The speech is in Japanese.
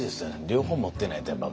両方持ってないとやっぱ。